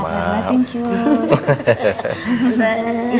maaf air dan batin cu